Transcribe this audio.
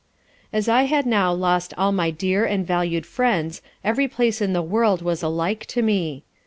As I had now lost all my dear and valued friends every place in the world was alike to me.